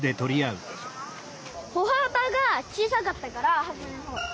歩はばが小さかったからはじめのほう。